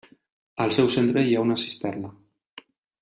Al seu centre hi ha una cisterna.